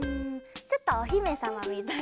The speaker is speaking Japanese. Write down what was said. ちょっとおひめさまみたいに。